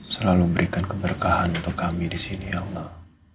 selalu berikan keberkahan untuk kami disini ya allah